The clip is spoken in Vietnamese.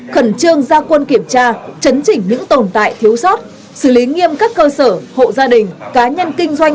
khẩn trương gia quân kiểm tra chấn chỉnh những tồn tại thiếu sót xử lý nghiêm các cơ sở hộ gia đình cá nhân kinh doanh